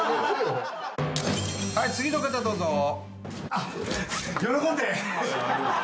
どうぞ。